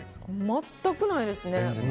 全くないです。